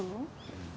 うん。